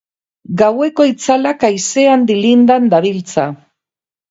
Gaueko itzalak haizean dilindan dabiltza.